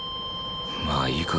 まあいいか。